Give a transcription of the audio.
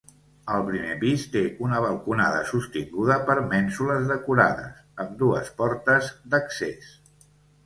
El primer pis té una balconada sostinguda per mènsules decorades, amb dues portes d'accés.